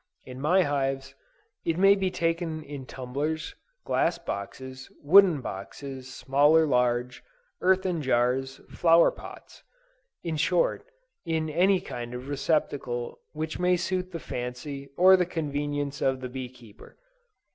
In my hives, it may be taken in tumblers, glass boxes, wooden boxes small or large, earthen jars, flower pots; in short, in any kind of receptacle which may suit the fancy, or the convenience of the bee keeper.